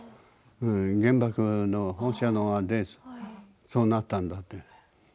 原爆の放射能でそうなったんだって。